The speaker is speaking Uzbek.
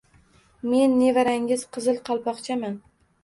— Men nevarangiz Qizil Qalpoqchaman